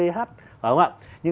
phải không ạ